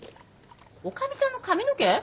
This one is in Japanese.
女将さんの髪の毛？